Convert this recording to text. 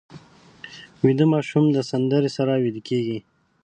ویده ماشوم د سندرې سره ویده کېږي